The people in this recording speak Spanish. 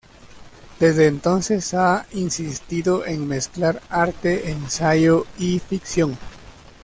Desde entonces ha insistido en mezclar arte, ensayo y ficción.